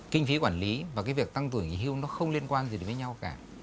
kinh phí quản lý và cái việc tăng tuổi nghỉ hưu nó không liên quan gì đến với nhau cả